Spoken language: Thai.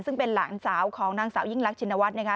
ซึ่งเป็นหลานสาวของนางสาวยิ่งรักชินวัฒน์นะคะ